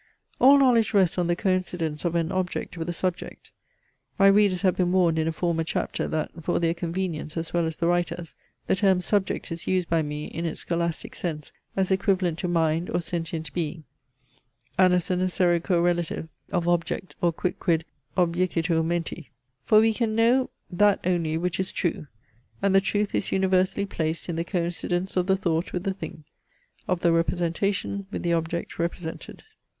All knowledge rests on the coincidence of an object with a subject. (My readers have been warned in a former chapter that, for their convenience as well as the writer's, the term, subject, is used by me in its scholastic sense as equivalent to mind or sentient being, and as the necessary correlative of object or quicquid objicitur menti.) For we can know that only which is true: and the truth is universally placed in the coincidence of the thought with the thing, of the representation with the object represented.